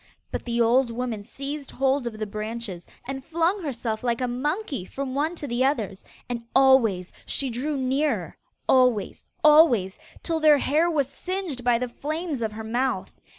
But the old woman seized hold of the branches and flung herself like a monkey from one to the others, and always she drew nearer always, always till their hair was singed by the flames of her mouth.